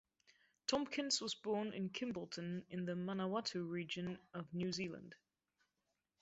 Tompkins was born in Kimbolton in the Manawatu region of New Zealand.